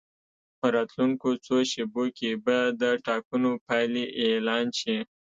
په راتلونکو څو شېبو کې به د ټاکنو پایلې اعلان شي.